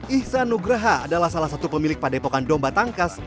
ihsan nugraha adalah salah satu pemilik padepokan domba tangkas